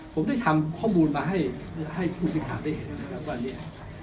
ผมได้ทำข้อมูลมาให้ผู้สินค้าได้เห็นวันนี้